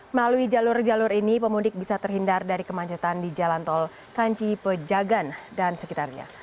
melalui jalur jalur ini pemudik bisa terhindar dari kemacetan di jalan tol kanci pejagan dan sekitarnya